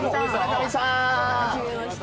初めまして。